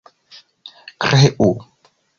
kreu